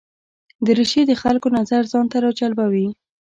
دریشي د خلکو نظر ځان ته راجلبوي.